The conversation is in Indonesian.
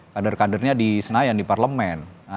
kader kadernya di senayan di parlemen